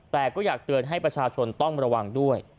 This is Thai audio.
แต่ก็อยากเตือนให้ประชาชนต้องระวังด้วย